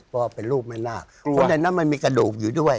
ว่าเป็นรูปแม่นาคเพราะในนั้นมันมีกระดูกอยู่ด้วย